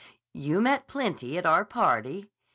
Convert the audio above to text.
"You met plenty at our party.